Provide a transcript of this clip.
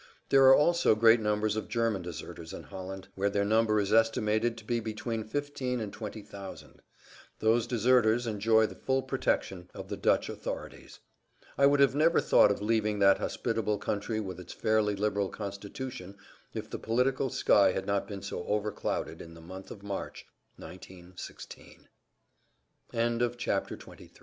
There are also great numbers of German deserters in Holland, where their number is estimated to be between fifteen and twenty thousand. Those deserters enjoy the full protection of the Dutch authorities. I would have never thought of leaving that hospitable country with its fairly liberal constitution if the political sky had not been so overclouded in